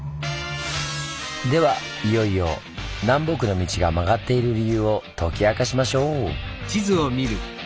ではいよいよ南北の道が曲がっている理由を解き明かしましょう！